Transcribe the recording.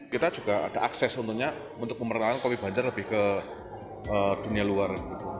kita juga ada akses untuk memerangi kopi banjar lebih ke dunia luar